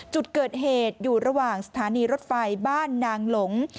จุดเกิดเหตุอยู่ระหว่างสถานีรถไฟบ้านนางหลง